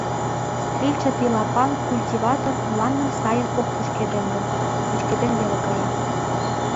Стрельчатый лапан культиватор мландым сайын ок пушкыдемде, пӱчкеден веле кая.